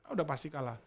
udah pasti kalah